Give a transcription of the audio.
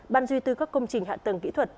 ban duy tư các công trình hạ tầng kỹ thuật